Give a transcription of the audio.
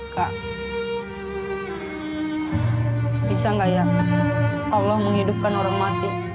kak bisa nggak ya allah menghidupkan orang mati